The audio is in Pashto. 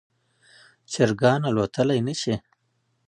چرګان الوتلی نشي